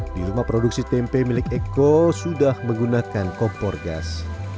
di rumah produksi tempe milik eko sudah menggunakan kompor gas